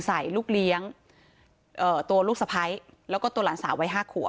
ใส่ลูกเลี้ยงเอ่อตัวลูกสะพ้ายแล้วก็ตัวหลังสาว